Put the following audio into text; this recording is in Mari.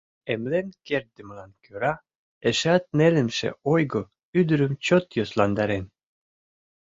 Эмлен кертдымылан кӧра эшеат нелемше ойго ӱдырым чот йӧсландарен.